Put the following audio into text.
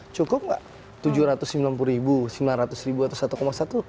cukup nggak tujuh ratus sembilan puluh ribu sembilan ratus ribu atau satu satu